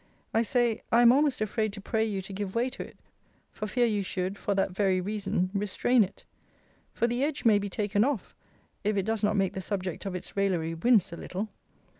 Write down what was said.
I say, I am almost afraid to pray you to give way to it, for fear you should, for that very reason, restrain it. For the edge may be taken off, if it does not make the subject of its raillery wince a little.